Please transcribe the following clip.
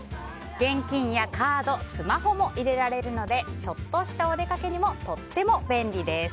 現金やカードスマホも入れられるのでちょっとしたお出かけにもとっても便利です。